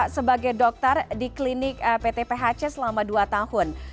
sebagai dokter di klinik pt phc selama dua tahun